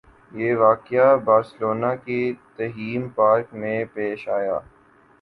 یہ واقعہ بارسلونا کے تھیم پارک میں پیش آیا